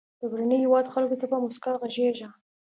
د بهرني هېواد خلکو ته په موسکا غږیږه.